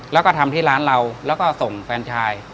แล้วก็ทำที่ร้านเราแล้วก็ส่งแฟนชาย